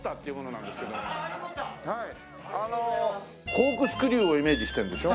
コークスクリューをイメージしてるんでしょ？